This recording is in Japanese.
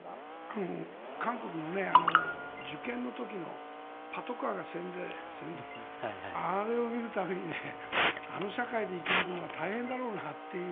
韓国の受験の時のパトカーが先導したものあれを見るたびにあの社会で生き抜くのは大変だろうなと。